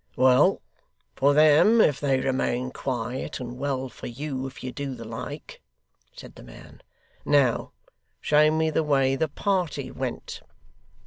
'Well for them if they remain quiet, and well for you if you do the like,' said the man. 'Now show me the way the party went.